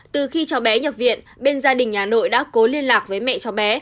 từ khi cháu bé nhập viện bên gia đình nhà nội đã cố liên lạc với mẹ cho bé